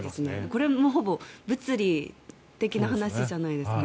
これ、ほぼ物理的な話じゃないですか。